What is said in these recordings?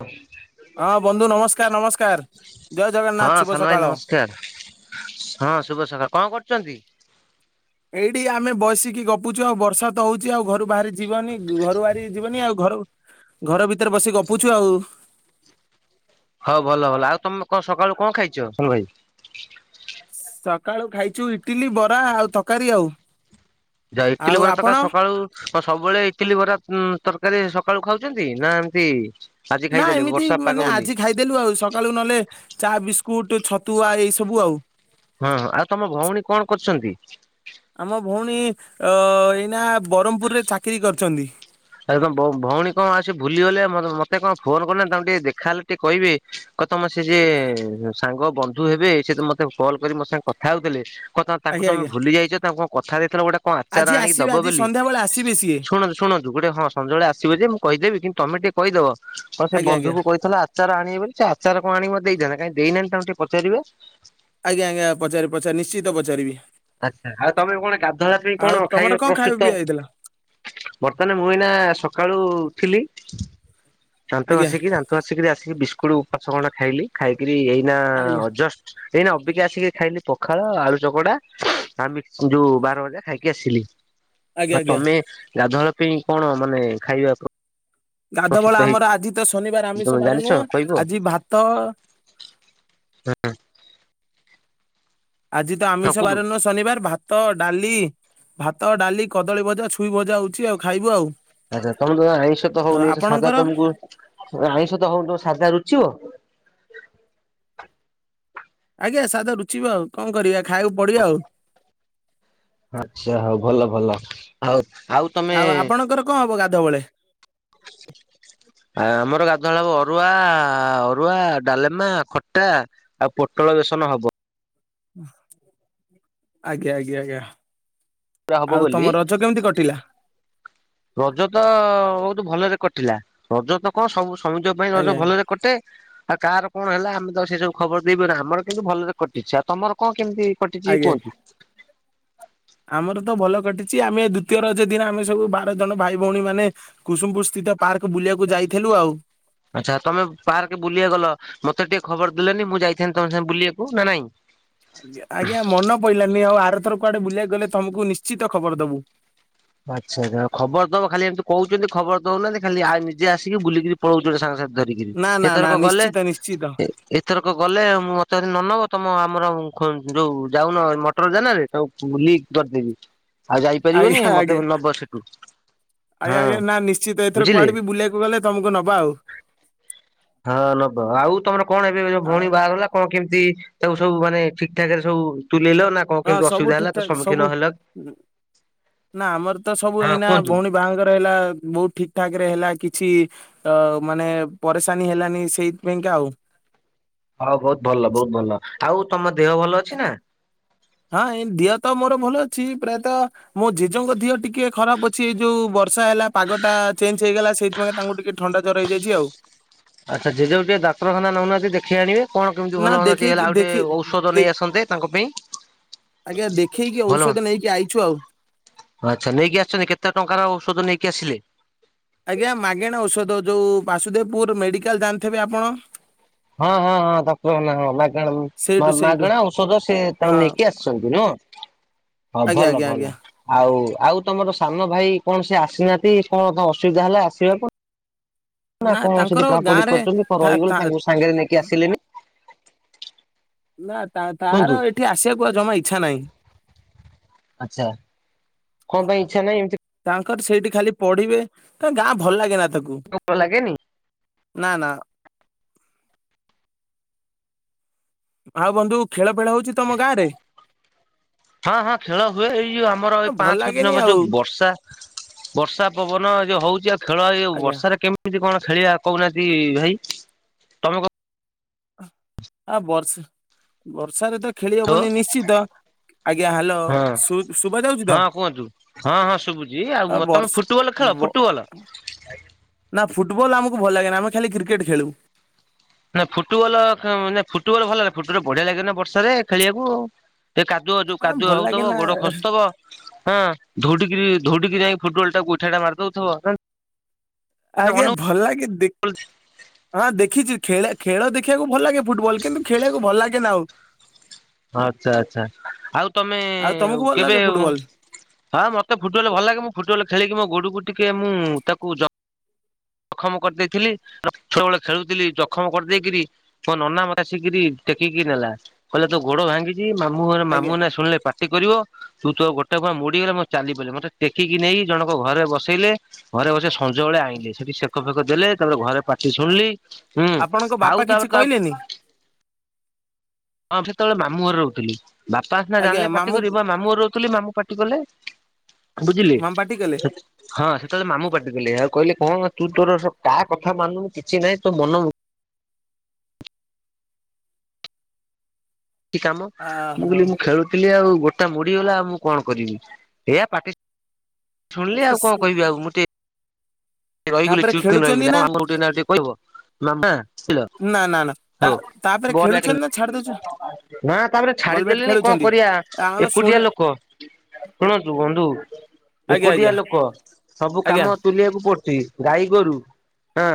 ହ ହଁ ବନ୍ଧୁ ନମସ୍କାର ନମସ୍କାର ଜୟ ଜଗନ୍ନାଥ ଶୁଭ ସକାଳ। ସାର୍ ହଁ ଶୁଭ ସକାଳ କଣ କରୁଛନ୍ତି? ଏଇଠି ଆମେ ବସିକି ଗପୁଛୁ ଆଉ ବର୍ଷା ତ ହଉଛି ଆଉ ଘରୁ ବାହାରି ଯିବନି ଘରୁ ବାହାରିକ ଯିବନି ଆଉ ଘରୁ ଘର ଭିତରେ ବସିିକ ଗପୁଛୁ ଆଉ ହଉ ଭଲ ଭଲ ଆଉ ତମେ ସକାଳୁ କଣ ଖାଇଛ ଭାଇ? ସକାଳୁ ଖାଇଛୁ ଇଟିଲି ବରା ଆଉ ତରକାରୀ ଆଉ ଯାଇ ଥିଲି ଆଉ ବର ତକା ଆପଣ? ସକାଳୁ। ହଁ ସବୁବେଳେ ଇଟିଲି ବରା ତରକାରୀ ସକାଳୁ ଖାଉଛନ୍ତି ନା ଏମତି? ନା ଏମିତି ମାନେ ଆଜି ଖାଇଦେଲୁ ଆଉ ସକାଳୁ ନହେଲେ ଚା ବିସ୍କୁଟ ଛତ ହଁ ଆଉ ତମ ଭଉଣୀ କଣ କରୁଛନ୍ତି? ଆମ ଭଉଣୀ ଅ ଏଇନା ବ୍ରହ୍ମପୁରରେ ଚାକିରି କରିଛନ୍ତି। ଆମ ଭଉଣୀ କଣ ଆସୁ ଭୁଲିଗଲେ ମତେ କଣ ଫୋନ କରୁନାହାନ୍ତି ତାଙ୍କୁ ଟିକେ ଦେଖା ହେଲେ ଟିକେ କହିବେ? କ ତମ ସେ ଯେ ସାଙ୍ଗ ବ ନ୍ଧୁ ହେବେ ସେ ମତେ କଲ କରି ମୋ ସାଙ୍ଗେ କଥା ହଉଥିଲେ କଥା ତାଙ୍କୁ ଆଜ୍ଞା ତମେ ଆଜ୍ଞା। ଭୁଲି ଯାଇଛ ତାଙ୍କୁ କଣ କଥା ଦେଇଥିଲ ଗୋଟେ କଣ ଆଚାର ଆଜି ଆଣିକି ଆସିବେ ଦବ ଆଜି ବୋଲି ସନ୍ଧ୍ୟା ବେଳେ ଆସିବେ ସିଏ ଶୁଣନ୍ତୁ ଶୁଣନ୍ତୁ? ଗୋଟେ ହଁ ସନ୍ଧ୍ୟାବେଳେ ଆସିବେ ଯେ ମୁଁ କହିଦେବି କିନ୍ତୁ ତମେ ଟିକେ କହିଦବ କ ସେ ଆଜ୍ଞା ବନ୍ଧୁ ଆଜ୍ଞା କହିଥିଲ ଆ ଚାର ଆଣିବେ ବୋଲି ସେ ଆଚାର କଣ ମତେ ଦେଇଥାନ୍ତେ କାହିଁ ଦେଇନାହାନ୍ତି ତାଙ୍କୁ ଟିକେ ପଚାରିବେ। ଆଜ୍ଞା ଆଜ୍ଞା ପଚାରି ପଚାରିବି ନିଶ୍ଚିତ ପଚାରିବି। ଆଚ୍ଛା ଆଉ ତମେ କଣ ଗାଧୂଆଳ କଣ ଆଉ ତମର ଖାଇବା କଣ ପ୍ରସ୍ତୁତ? ପିଇବା ହେଇଥିଲା? ବର୍ତ୍ତମାନ ମୁଁ ଏଇନା ସକାଳୁ ଉଠିଲି ଦାନ୍ତ ଆଜ୍ଞା ଘସିକି ଦା ତୁ ଆସିକି ବିସ୍କୁଟ୍ ପାଞ୍ଚ ଖଣ୍ଡ ଖାଇଲି ଖାଇକିରି ଏଇନା ଆଜ୍ଞା ଅ ଯଷ୍ଟ ଏଇନା ଅବିକା ଆସିକି ଖାଇଲି ପଖାଳ ଆଳୁ ଚକଡା। ଆ ଯୋଉ ବାରମଜା ଖାଇକି ଆସିଲି ଆଜ୍ଞା ବା ଆଜ୍ଞା ତମେ ଗାଧୁଆଳ ପାଇଁ କଣ ମାନେ ଖାଇବାକୁ ଗାଧୁଆବେଳ ଆମର ଆଜି ତ ଶନିବାର ତମେ ଆମିଷ ବାର ନୁହଁ ଆଜି ଭାତ ହୁଁ। ଆଜି ତ ହଁ ଆମିଷ କୁହନ୍ତୁ। ବାର ନୁହ ଶନିବାର ଭା ଭାତ ଡାଲି ଭାତ ଡାଲି କଦଳୀଭଜା ଛୁଇ ଭଜା ହଉଛି ଆଉ ଖାଇବୁ ଆଉ ଆଚ୍ଛା ତମେ ତ ଆଇଁଷ ତ ଆଉ ହଉନି ସାଧା ଆପଣଙ୍କର? ତମକୁ ଆଇଁଷ ତ ହଉନି ସାଧା ରୁଚିବ? ଆଜ୍ଞା ସାଦା ରୁଚିବ ଆଉ କଣ କରିବା ଖାଇବାକୁ ପଡିବ ଆଉ ଆଚ୍ଛା ହଉ ଭଲ ଭଲ ଆଉ ଆଉ ତମେ ଆଉ ଆପଣଙ୍କର କଣ ହବ ଗାଧୁଆବେଳେ? ଆ ଆମର ଗାଧୁଆବେଳେ ହବ ଅରୁଆ ଅରୁଆ ଡାଲେମା ଖଟା ଆ ପୋଟଳ ବେସନ ହବ। ଆଜ୍ଞା ଆଜ୍ଞା ଆଜ୍ଞା। ହବ ଆଉ ତମ ବୋଲି ରଜ କେମିତି କଟିଲା? ରଜ ତ ବୋହୁତ ଭଲରେ କଟିଲା, ରଜ ତ କ ସବୁ ସମିତିକ ପାଇଁ ଆଜ୍ଞା ରଜ ଆଜ୍ଞା ଭଲରେ କଟେ, ଆଉ କାହାର କଣ ହେଲା ଆମେ ତ ଆ ସେ ସବୁ ଖବର ଦେଇପାରି ନା ଆମର କିନ୍ତୁ ଭଲରେ କଟିଛି ଆଉ ତମର କଣ କେମିତି କଟିଛି ଆଜ୍ଞା। [unintelligible] ଆମର ତ ଭଲ କଟିଛି ଆମେ ଦୂତୀୟ ରଜ ଦିନ ଆମେ ସବୁ ବାର ଜଣ ଭାଇ ଭଉଣୀ ମାନେ କୁସୁମପୁର ସ୍ଥିତ ପାର୍କ ବୁଲିବାକୁ ଯାଇଥିଲୁ ଆଉ। ଆଚ୍ଛା ତମେ ପାରକେ ବୁଲିଆ ଗଲ ମତେ ଟିକେ ଖବର ଦେଲନି ମୁଁ ଯାଇଥାନ୍ତିି ତମ ସାଙ୍ଗେ ବୁଲିବାକୁ ନା ନାଇଁ। ଆଜ୍ଞା ମନ ପଇଲାନି ଆଉ ଆରଥର କୁଆଡେ ବୁଲିବାକୁ ଗଲେ ତମକୁ ନିଶ୍ଚିତ ଖବର ଦବୁ। ଆଚ୍ଛା ଆ ଖବର ଦବ ଖାଲି ଏମିତି କହୁଛନ୍ତି ଖବର ଦଉନାହାନ୍ତି ଖାଲି ନିଜେ ଆସିକି ବୁଲିକି ପଳଉଚନ୍ତି ସାଙ୍ଗସାଥି ଧରିକିରି ନା ନା ନା ସେଥରକ ଗଲେ ନିଶ୍ଚିତ ନିଶ୍ଚିତ। ଏଥରକ ଗଲେ, ମତେ ନ ନବ ତମ ଆମର ଯୋଉ ଯାଉନ ମଟର ଜାନରେ ତାକୁ ଲିକ କରିଦେବି ଆଉ ଯାଇପାରିବନି ଆଜ୍ଞା ମତ ଆଜ୍ଞା ଆଜ୍ଞା ନା ନିଶ୍ଚିତ ଏଥର ବୁଝିଲେ କୁଆଡେ ବି ବୁଲିବାକୁ ଗଲେ ତମକୁ ନବା ଆଉ। ହଁ ନବ, ଆଉ ତମର କଣ ଏବେ ଯୋଉ ଆ ଭଉଣୀ ବାହଘର ହେଲା କଣ କେମିତି ତାକୁ ସବୁ ମାନେ ଠିକ ଠାକରେ ସବୁ ତୁଲେଇଲ ନା କଣ ହଁ କେମିତି ସବୁ ଅସୁବିଧା ହେଲା ତ ଠିକଠାକ୍ ସମ୍ମୁଖୀନ ସବୁ, ହେଲ? ନା ଆମର ତ ସବୁ ହଁ ଏଇନା କୁହନ୍ତୁ ଭଉଣୀ ବାହାଗର ହେଲା ବହୁତ ଠିକ ଠା ରେ ହେଲା କିଛି ତ ମାନେ ପରିଶାନି ହେଲାନି ସେଇଥିପାଇଁକା ଆଉ। ହଁ ବହୁତ ଭଲ ବହୁତ ଭଲ, ଆଉ ତମ ଦେହ ଭଲ ଅଛି ନା? ହଁ ଏ ଦିହ ତ ମୋର ଭଲ ଅଛି ପ୍ରାୟତଃ ମୋ ଜେଜଙ୍କ ଦିଅ ଟିକେ ଖରାପ ଅଛି ଏଇ ଯୋଉ ବର୍ଷା ହେଲା ପାଗଟା ଚେଞ୍ଜ ହେଇଗଲା ସେଇ ତାଙ୍କୁ ଟିକେ ଥଣ୍ଡା ଜର ହେଇଯାଇଛି ଆଉ। ଆଚ୍ଛା ଜେଜକୁ ଟିକେ ଡକ୍ତରଖାନା ନଉନାହାନ୍ତି ଦେଖଇ ଆଣିବେ। କଣ କେମିତି ନା ଭଲ ହୁଅନ୍ତା ଟିକେ ଦେଖେଇକି ହେଲା ଆଉ ଟିକେ ଦେଖି ଔଷଧ ଦେ ନେଇ ଆସନ୍ତେ ତାଙ୍କ ପାଇଁ। ଆଜ୍ଞା ଦେଖେଇକି ଭଲ ଔଷଧ ହୁଅନ୍ତା ନେଇକି ଆଇଛୁ ଆଉ। ଆଚ୍ଛା ନେଇକି ଆସିଛନ୍ତି କେତେ ଟଙ୍କାର ଔଷଧ ନେଇକି ଆସିଲେ? ଆଜ୍ଞା ମାଗେଣା ଔଷଧ ଯୋଉ ବାସୁଦେବପୁର ମେଡିକାଲ ଜାଣିଥିବେ ଆପଣ। ହଁ ହଁ ହଁ [unintelligible] ମାଗଣା ସେଇଠୁ ସେଇଠୁ ମାଗଣା ଔଷଧ ସେ ତାଙ୍କୁ ହଁ ନେଇକି ଆସଛନ୍ତି। ନୁହଁ ହ ଆଜ୍ଞା ଭଲ ଆଜ୍ଞା ଭଲ। ଆଜ୍ଞା ଆଉ ଆଉ ତମର ସାନ ଭାଇ କଣ ସେ ଆସିନାହାନ୍ତି କଣ ଅସୁବିଧା ହେଲା ଆସିବାକୁ? ନା ଆପଣ ସେଠି ତାଙ୍କର ଗାଁ ପଢାପଢି ରେ କରିୁଛନ୍ତି କ ତା ରହିଗଲେ ତା ତାଙ୍କୁ ସାଙ୍ଗରେ ନେଇକି ଆସିଲେନି। ନା ତା କୁହନ୍ତୁ? ତାର ଏଠି ଆସିବାକୁ ଆଉ ଜମା ଇଚ୍ଛା ନାହିଁ। ଆଚ୍ଛା କଁ ପାଇଁ ଇଚ୍ଛା ନାହିଁ ଏମତି। ତାଙ୍କର ସେଇଠି ଖାଲି ପଢିବେ ତା ଗାଁ ଭଲ ଲାଗେ ନା ତାକୁ। [unintelligible] ଲାଗେନି? ନା ନା। ଆଉ ବନ୍ଧୁ ଖେଳ ଫେଳ ହଉଛି ତମ ଗାଁ ରେ? ହଁ ହଁ ଖେଳ ହୁଏ, ଏଇ ଯୋଉ ଆମର ଏଇ ଭଲ ପାଞ୍ଚ ଛଅ ଦିନ ଲାଗେନି ହବ ଆଉ ଯୋଉ ବର୍ଷା ବର୍ଷା ପବନ ଯୋଉ ହଉଛି, ଆଉ ଖେଳ ଏଇ ଆଜ୍ଞା ବର୍ଷାରେ କେମିତି କଣ ଖେଳିବା କହୁନାହାନ୍ତି ଭାଇ। ତମେ କ ଆ ବର୍ଷା ବର୍ଷାରେ ତ ଖେଳି ହବନି ନିଶ୍ଚିତ। ଆଜ୍ଞା ହ୍ୟାଲୋ ହଁ ଶୁ ଶୁଭା ଯାଉଛି ତ? ହଁ କୁହନ୍ତୁ ହଁ ହଁ ଶୁଭୁଚି ଆଉ ମ ତମେ ଫୁର ଟୁବଲ ଖେଳ ବ ଫୁଟୁବଲ? ନା ଫୁଟବଲ ଆମକୁ ଭଲ ଲାଗେନା ଆମେ ଖାଲି କ୍ରିକେଟ୍ ଖେଳୁବୁ। ନା ଫୁଟବଲ ଖେ ନାଇ ଫୁଟବଲ ଭଲ ଲାଏ ଫୁଟବଲ ବଢିଆ ଲାଗେନା ବର୍ଷାରେ ଖେଳିବାକୁ। ସେ କାଦୁଅ ଯୋଉ ହଁ କାଦୁଅ ଭଲ ଲାଗେ ହୋଉଥୁବ ନା ଗୋଡ଼ ଖସୁଥବ ହଁ ଧୌଡିକିରି ଧୌଡିକି ଯାଇଁ ଫୁଟବଲଟାକୁ ଗୋଇଇଠାଟା ମାରି ଦୋଉଥବ କା ଆଜ୍ଞା ଭଲ ଲାଗେ ଦେ ହୋଉଛି। ହଁ ଦେଖିଚି ଖେଳା ଖେଳ ଦେଖିବାକୁ ଭଲ ଲାଗେ ଫୁଟବଲ କିନ୍ତୁ ଖେଳିବାକୁ ଭଲ ଲାଗେ ନା ଆଉ। ହଁ ଆଛା ଆଛା ଆଉ ତମେ ଆଉ ତମକୁ ଭଲ କେବେ ଲାଗେ ଫୁଟବଲ ହଁ ମତେ ଫୁଟବଲ ଭଲ ଲାଗେ ମୁଁ ଫୁଟବଲ ଖେଳିକି ମୋ ଗୋଡକୁ ଟିକେ ମୁଁ ତାକ ଜ ଜଖମ କରିଦେଇଥିଲି ର ଛୁଆବେଳେ ଖେଳୁଥିଲି ଜଖମ କରିଦେଇକିରି ମୋ ନନା ମତେ ଆସିକିରି ଟେକିକି ନେଲା କହିଲେ ତୋ ଗୋଡ ଭାଙ୍ଗି ଚି ମାମୁଁଘର ମାମୁଁ ଆଜ୍ଞା ଏଇନା ଶୁଣଲେ ପାଟି କରିବ। ତୁ ତୋ ଗୋଟେ କଣ ମୋଡିଗଲେ ମୁଁ ଆଉ ଚାଲି ପାଇଲିନି ମତେ ଟେକିକି ନେଇକି ଜଣଙ୍କ ଘରେ ବସେଇଲେ ଘରେ ବସିକି ସଞ୍ଜବେଳେ ଆଇଁଲି ସେଠି ସେକ ଫେକ ଦେଲେ ତାପରେ ଘରେ ପାଟି ଶୁଣଲି ହୁଁ ଆପଣଙ୍କ ବାପା ଆଉ କିଛି ତାପରେ ତା କହିଲେନି? ହଁ ସେତେବେଳେ ମାମୁଁ ଘରେ ରହୁଥିଲି ବାପା ସିନା ଆଜ୍ଞା ଜାଣିଲେ ପାଟି ମାମୁଁ କରିବେ ମୁଁ ପା ମାମୁଁଘରେ ରହୁ ଥୁଲି ମାମୁ ପାଟି କଲେ ବୁଝିଲେ ମାମୁଁ ପାଟି କଲେ ସେଠି ହଁ ସେତେବେଳେ ମାମୁ ପାଟି କଲେ ଆଉ କହିଲେ କଣ ମ ତୁ ତୋର ସ କାହା କଥା ମାନୁନୁ କିଛି ନାଇଁ ତୋ ମନ ମୁ ଖି କାମ ଆ ମୁଁ କହିଲି ହଉ ମୁଁ ଖେଳୁଥିଲି ଆଉ ଗୋଡଟା ମୋଡି ହେଇଗଲା ଆଉ ମୁଁ କଣ କରିବି ଏଇଆ ପାଟି ଶୁଣଲି ଆଉ କଣ କହିବି ଆଉ ମୁଁ ଟିକେ ରହିଗଲି ତାପରେ ଚୁପ କି ଖେଳୁଛନ୍ତି ରହିଗଲି ନା [unintelligible] ଟିକେ କହି ହବ ମାମୁଁ ପା। ସିଳ ନା ନା ନା ତା ହୋଉ ତାପରେ ବରାଟେ ଖେଳୁ ଖେଳୁଛନ୍ତି ନା ଛାଡି ଦଉଛ ନା ତାପରେ ବଲ ବ୍ୟାଟ ଛାଡିଦେଲେଣି କଣ ଖେଳୁଛନ୍ତି। କରିବା ଆମେ ଏକୁଟିଆ ଶୁଣେ ଲୋକ। ଶୁଣନ୍ତୁ ବନ୍ଧୁ ଆଜ୍ଞା ଏକୁଟିଆ ଆଜ୍ଞା ଲୋକ ସବୁ କାମ ଆଜ୍ଞା ତୁଲିବାକୁ ପଡୁଚି ଗାଈଗୋରୁ ହଁ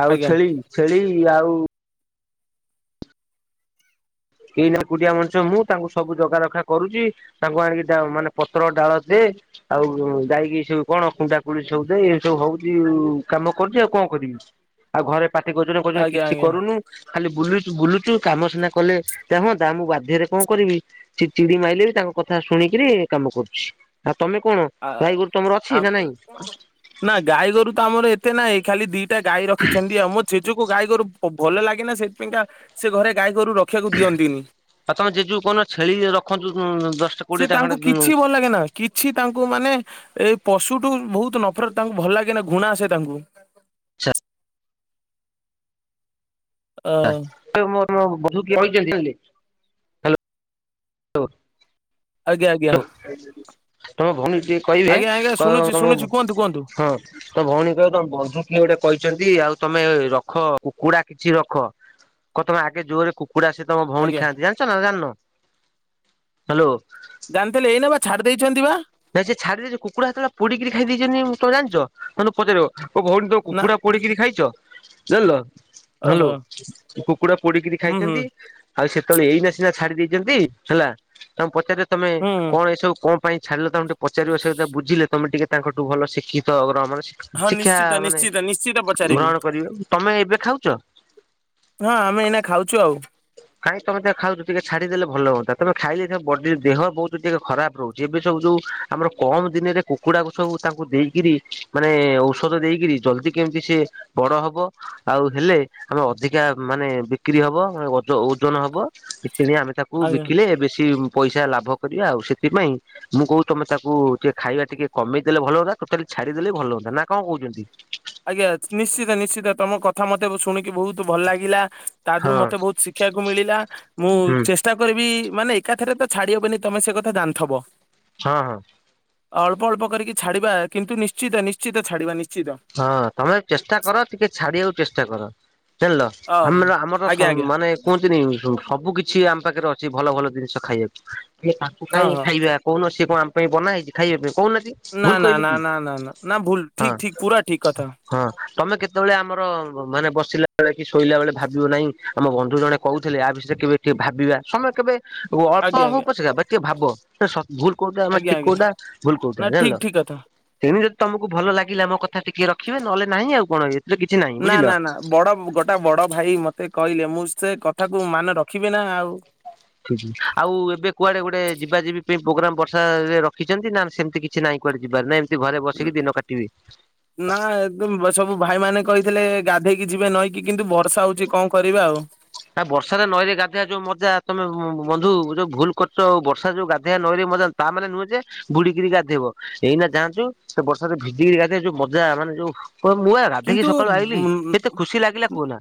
ଆଉ ଆଜ୍ଞା ଛେଳି ଛେଳି ଆଉ ଏଇନା ଏକୁଟିଆ ମଣିଷ ମୁଁ ତାଙ୍କୁ ସବୁ ଜଗା ରଖା କରୁଚି। ତାଙ୍କୁ ଆଣିକି ଡା ମାନେ ପତ୍ର ଡାଳ ଦେ। ଆଉ ଗାଈକି ସବୁ କଣ କୁଣ୍ଡା କୁଳି ସବୁ ଦେଇ ଏସବୁ ହୋଉଚି କାମ କରୁଚୁ ଆଉ କଣ କରିବି। ଆଉ ଘରେ ପାଟି କରୁଚନ୍ତି କୋହୁଚନ୍ତି ଆଜ୍ଞା କିଛି ଆଜ୍ଞା। କରୁନୁ ଖାଲି ବୁଲୁଚୁ ବୁଲୁଚୁ କାମ ସିନା କଲେ ଯାହା ହୁଅନ୍ତା ମୁଁ ବାଧ୍ୟରେ କଣ କରିବି? ସେ ଚିଡି ଚିଡି ମାଇଲେ ବି ତାଙ୍କ କଥା ଶୁଣିକିରି ଏ କାମ କରୁଚି ଆଉ ତମେ କଣ? ଗାଇଗୋରୁ ତମର ଅଛି ନା ନାଇଁ? ଆ ନା ଗାଈ ଗୋରୁ ତ ଆମର ଏତେ ନାଇଁ ଖାଲି ଦିଇଟା ଗାଈ ରଖିଛନ୍ତି ଆଉ ମୋ ଜେଜକୁ ଗାଈ ଗୋରୁ ଅ ଭଲ ଲାଗେନା ସେଇଥି ପାଇଁକା ସେ ଘରେ ଗାଈ ଗୋରୁ ର ଆଉ ତମ ଜେଜକୁ କୋହୁନ ଛେଳି ରଖନ୍ତୁ କୁଁ ଦଶଟା ସେ କୋଡିଏ ଟା ତାଙ୍କୁ ଖଣ୍ଡେ ଉଁ କିଛି ଭଲ ଲାଗେ ନା କିଛି ତାଙ୍କୁ ମାନେ ଏ ପଶୁଠୁ ବୋହୁତ ନଫରତ ତାଙ୍କୁ ଭଲ ଲାଗେନା ଘୁଣା ଆସେ ତାଙ୍କୁ। ଅ ନା ଆରୁ ମୋ ମୋ ବନ୍ଧୁ କିଏ କହିଚନ୍ତି କହିଲେ। ତୋ ଆଜ୍ଞା ଆଜ୍ଞା ହଉ ତମ ଭୋଉଣୀକି ଟିକେ କହିବେ ଆଜ୍ଞା ଆଜ୍ଞା କହିବ ଶୁଣୁଛି ତମ ଶୁଣୁଛି କୁହନ୍ତୁ କୁହନ୍ତୁ ହଁ ତ ଭୋଉଣୀକି କହିବ ତମ ବନ୍ଧୁ କିଏ ଗୋଟେ କହିଚନ୍ତି ଆଉ ତମେ ରଖ କୁକୁଡା କିଛି ରଖ। କ ତମେ ଆଗେ ଜୋରରେ କୁକୁଡ଼ା ସେ ତମ ଭୋଉଣୀ ଆଜ୍ଞା ଖାଆନ୍ତି ଜାଣଚ ନା ଜାଣନ ହାଲୋ ଜାଣିଥିଲେ ଏଇନା ପା ଛାଡିଦେଇଛନ୍ତି ପା। ନାଇଁ ସେ ଛାଡି ଦେଇଚ କୁକୁଡ଼ା ହେତବେଳେ ପୋଡିକିରି ଖାଇ ଦେଇଚନ୍ତି ତମେ ଜାଣଚ ତାଙ୍କୁ ପଚାରିବ। ଭଉଣୀ ତୁମେ ନା କୁକୁଡ଼ା ପୋଡିକିରି ଖାଇଛ? ଜାଣିଲ ହାଲୋ, ଓହୋ କୁକୁଡା ପୋଡିକିରି ହୁଁ ହୁଁ ଖାଇଥାନ୍ତି। ଆଉ ସେତେବେଳେ ଏଇନା ସିନା ଛାଡି ଦେଇଛନ୍ତି ହେଲା, ତାଙ୍କୁ ପଚାରିବ ତମେ ହୁଁ କଣ ଏସବୁ କଣ? ସାରିଲ ତମ ଟିକେ ପଚାରିବ ସହିତ ବୁଝିଲେ ତମେ ଟିକେ ତାଙ୍କଠୁ ଭଲ ଶିକ୍ଷିତ [inaudible] ହଁ ଶିକ୍ଷା ନିଶ୍ଚିତ ମାନେ ନିଶ୍ଚିତ ନିଶ୍ଚିତ ପଚାରିବୁ ଗ୍ରହଣ କରିବ ତମେ ଏବେ ଖାଉଛ? ହଁ ଆମେ ଏଇନା ଖାଉଛୁ ଆଉ। କାଇଁ ତମେ ଖାଉଛ ଟିକେ ଛାଡିଦଲେଲ ହୁଅନ୍ତା ତମେ ଖାଇ ବଡି ଦେହ ବହୁତ ଟିକେ ଖରାପ ରହୁଛି ଏବେ ସବୁ ଯଉ ଆମର କମ ଦିନରେ କୁକୁଡାକୁ ସବୁ ତାଙ୍କୁ ଦେଇକରି ମାନେ ଔଷଧ ଦେଇକରି ଜଲଦି କେମିତି ସେ ବଡ ହବ ଆଉ ହେଲେ ଆମେ ଅଧିକା ମାନେ ବିକ୍ରି ହବ ଓଜନ ହବ କିଣ ଆମେ ତାକୁ ଆଜ୍ଞା ବିକିଲେ ବେଶି ପଇସା ଲାଭ କରିବା ଆଉ ସେଥିପାଇଁ ମୁଁ କହୁ ତମେ ତାକୁ ଟିଏ ଖାଇବା ଟିକେ କମେଇ ଦେେଲେ ଭଲ ହୁଅନ୍ତା ଟୋଟାଲି ଛାଡିଦେଲେ ବି ଭଲ ହୁନ୍ତା ନା କଣ କହୁଛନ୍ତି? ଆଜ୍ଞା ନିଶ୍ଚିତ ନିଶ୍ଚିତ ତମ କଥା କଥା ମତେ ଶୁଣିକି ବହୁତ ଭଲ ଲାଗିଲା ତା ଦେହରୁ ହଁ ମତେ ବହୁତ ଶିଖିବାକୁ ମିଳିଲା ମୁଁ ହୁଁ ଚେ ଚେଷ୍ଟା କରିବି ମାନେ ଏକାଥରେ ତ ଛାଡି ହବନି ତମେ ସେ କଥା ଜାଣିଥବ? ହଁ ହଁ। ଅଳ୍ ଅଳ୍ କରିକି ଛାଡିବା କିନ୍ତୁ ନିଶ୍ଚିତ ନିଶ୍ଚିତ ଛାଡିବା ନିଶ୍ଚିତ। ହଁ ତମେ ଚେଷ୍ଟା କର ଟିକେ ଛାଡିବାକୁ ଚେଷ୍ଟା କର। ଜାଣିଲ ଓହୋ। ଆମ ଆମର ଆଜ୍ଞା ତ ଆଜ୍ଞା ମାନେ କୁହନ୍ତିନି ସବୁ କିଛି ଆମ ପାଖରେ ଅଛି ଭଲ ଭଲ ଜିନିଷ ଖାଇବାକୁ ତାକୁ ହଁ କାଇହିଁ ହଁ ଖାଇବା କହୁନ ସେ କଣ ଆମ ପାଇଁ ବନା ହେଇଛି ଖାଇବା ପାଇଁ କହୁନାହାନ୍ତି? ନା ଭୁଲ ନା କହିଲି ନା କି ନା ନା ନା ନା ଭୁଲ ହଁ ଠିକ ଠିକ ପୁରା ଠିକ କଥା। ହଁ ତମେ କେତେବେଳେ ଆମର ମାନେ ବସିଲା ବେଳେ କି ଶୋଇଲା ବେଳେ ଭାବିବ ନାହିଁ ଆମ ବନ୍ଧୁ ଜଣେ କହୁଥିଲେ ଆ ବିଷୟରେ କେବେ ଟିକେ ଭାବିବା ସମୟ କେବେ ଅଳ୍ପ ଆଜ୍ଞା ହ ଆଜ୍ଞା ଉପା ବା ଟିକେ ଭାବ। ଭୁଲ କୋଉଟା ଆମେ ଆଜ୍ଞା ଠିକ ଆଜ୍ଞା କୋଟା ଭୁଲ କଉଟା ନା ଜାଣିଲ ଠିକ ଠିକ କଥା। ସେମତି ଯଦି ତମକୁ ଭଲ ଲାଗିଲା ମୋ କଥା କଥା ଟିକେ ରଖିବେ ନହେଲେହି ଆଉ କଣ? ଏଥିରେ କିଛି ନାହିଁ ନା ବୁଝିଲ। ନା ନା ବଡ ଗୋଟା ବଡ ଭାଇ ମତେ କହିଲେ ମୁଁ ସେ କଥାକୁ ମାନେ ରଖିବେ ନା ଆଉ। ଆଉ ଏବେ କୁଆଡେ ଗୋଟେ ଯିବା ଯିବି ପାଇଁ ପ୍ରୋଗ୍ରାମ ବର୍ଷାାରେ ରଖିଛନ୍ତି ନା ସେମିତି କିଛି ନାଇଁ କୁଆଡେ ଯିବ ନା? ଘରେ ବସିକି ଦିନ କାଟିବି। ହଁ ନା ସବୁ ଭାଇ ମାନେ କହିଥିଲେ ଗାଧେଇକି ଯିବେ ନଈକି କିନ୍ତୁ ଭର୍ଷା ହଉଛି କଣ କରିବା ଆଉ। ଆ ବର୍ଷାାରେ ନଈରେ ଗାଧେଇବା ଯୋଉ ମଜା ତମେ ବନ୍ଧୁ ଯୋଉ ଭୁଲ କରଛ ଆଉ ବର୍ଷାରେ ଯୋଉ ଗାଧୋଇଆ ନଈରେ ମଜା ତା ମାନେ ନୁହେଁ ଯେ ବୁଡିକିରି ଗାଧେଇବ। ଏଇନା ଯାନ୍ତୁ ସେ ବର୍ଷା ଭିଜିକିରି ଗାଧେଇବା ଯୋଉ ମଜା ମାନେ ଯୋଉ କ ମୁୂଆ ଗାଧେଇକି କିନ୍ତୁ ସକାଳୁ ଆଇିଲି ଉଁ ଏତେ ଖୁସି ଲାଗିଲା କୁହନା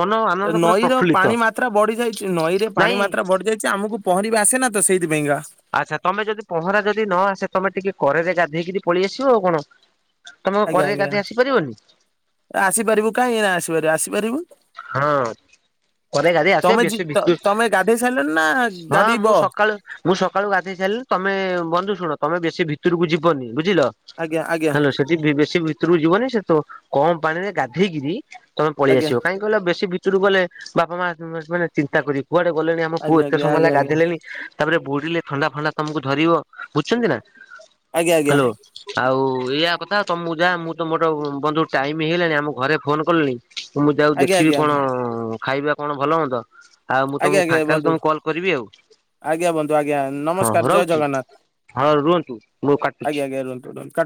ମନ ଆନନ୍ଦ ପରା ନଈ ର ପାଣି ମାତ୍ରା ବଢି ଯାଇଛି ନଈରେ ପାଣି ନାଇଁ ମାତ୍ରା ବଢି ଯାଇଛି ଆମକୁ ପହଁରିବା ଆସେନା ତ ସେଇଥିପାଇଁକା। ଆଚ୍ଛା ତମେ ଯଦି ପହଁରା ଯଦି ନ ଆସେ ତମେ ଟିକେ କରେ ଗାଧେଇକିରି ପଳେଇ ଆସିବ ଆଉ କଣ। ତମେ କଣ କରରେ ଗାଧେଇ ଆସିପାରିବନି। ଆସିପାରିବ କାହିଁ ନା ଆସିପାରିବ ଆସିପାରିବୁ। ହଁ। କ କାଧ ଆସ ତମେ ଯି ବେଶୁୁ ତମେ ଗାଧେଇ ସାରିଲଣି ନା ହଁ ଗାଧେଇବ ମୁଁ ସକାଳୁ ମୁଁ ସକାଳୁ ଗାଧେଇ ସାରିଲି ତମେ ବନ୍ଧୁ ଶୁଣ ତମେ ବେଶୀ ଭିତରକୁ ଯିବନି ବୁଝିଲ? ଆଜ୍ଞା ଆଜ୍ଞା। ହ୍ୟାଲୋ ସେଠି ବେଶୀ ଭିତରକୁ ଯିବନି ସେ ତ କମ ପାଣି ରେ ଗାଧେଇକିରି ତମେ ପଳେଇ ଆଜ୍ଞା। ଆସିବ। କାଇଁ କହିଲ ବେଶୀ ଭିତରୁ ଗଲେ ବାପା ମା ମାନେ ଚିନ୍ତା କରିବେ। କୁଆଡେ ଗଲେନଣି ଆମ ପୁଅ ଆଜ୍ଞା ଏତେ ଆଜ୍ଞା ସମୟ ଆଜ୍ଞା ହେଲାଣି ଗାଧୋଇଲେଣି। ତାପରେ ବୁଡ଼ିଲେ ଥଣ୍ଡା ଫଣ୍ଡା ତମକୁ ଧରିବ ବୁଝୁଛନ୍ତି ନା ଆଜ୍ଞା ଆଜ୍ଞା ହ୍ୟାଲୋ? ଆଉ ଏଇଆ କଥା, ତମକୁ ଯା, ମୁଁ ତ ମୋର ବନ୍ଧୁ ଟାଇମ ହେଇଗଲାଣି, ଆମ ଘରେ ଫୋନ କଲେଣି, ମୁଁ ଯାଉଚି ଦେଖିବି ଆଜ୍ଞା ଆଜ୍ଞା ଆଜ୍ଞା ଆଜ୍ଞା କଣ, ଖାଇବା କଣ ଭଲ ମନ୍ଦ। ଆଉ ମୁଁ ଆଜ୍ଞା ତମକୁ ଆଜ୍ଞା ଫାଙ୍କାଲେ, ବନ୍ଧୁ। ତମକୁ କଲ୍ କରିବି ଆଉ। ଆଜ୍ଞା ବନ୍ଧୁ ଆଜ୍ଞା ହଁ ନମସ୍କାର ହଁ ଜୟ ରହୁଚି, ଜଗନ୍ନାଥ ହଁ ରୁହନ୍ତୁ, ମୁଁ କାଟୁଛି। ଆଜ୍ଞା ଆଜ୍ଞା ରୁହନ୍ତୁ ରୁହନ୍ତୁ।